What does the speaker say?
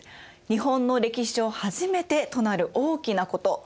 日本の歴史上初めてとなる大きなこと。